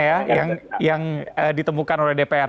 yang ditemukan oleh dpr